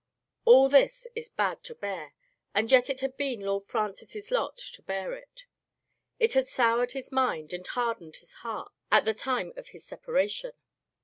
All this is bad to bear, and yet it had been Lord Francis's lot to bear it. It had soured his mind and hardened his heart at the time of his separation.